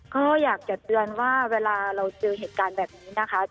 ก็อยากจะเตือนว่าเวลาเราเจอเหตุการณ์แบบนี้นะคะ